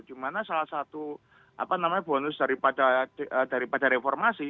dimana salah satu bonus daripada reformasi